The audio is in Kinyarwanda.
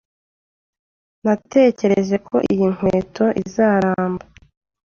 Natekereje ko iyi nkweto izaramba.